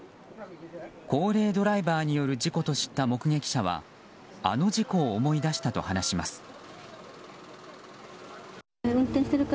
高齢ドライバーによる事故と知った目撃者はあの事故を思い出したと話します。